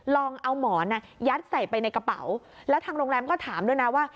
ลองเอาหมอนยัดใส่ไปในกระเป๋าแล้วทางโรงแรมก็ถามด้วยนะว่า